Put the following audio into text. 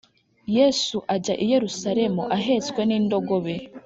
Yesu ajya i Yerusalemu ahetswe n indogobe